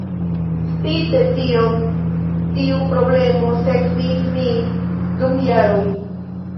Spite tion, tiu problemo sekvis min dum jaroj.